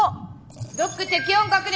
ドック適温確認！